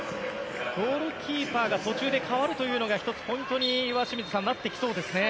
このゴールキーパーが途中で代わるというのが１つポイントになってきそうですね。